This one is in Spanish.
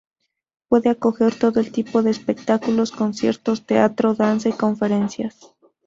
Puede acoger todo el tipo de espectáculos: conciertos, teatro, danza y conferencias.